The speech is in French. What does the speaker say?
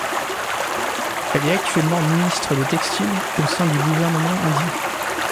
Elle est actuellement ministre des textiles au sein du gouvernement indien.